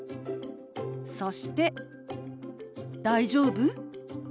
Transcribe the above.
そして「大丈夫？」。